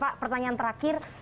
pak pertanyaan terakhir